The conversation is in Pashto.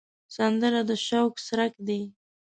سندره د شوق څرک دی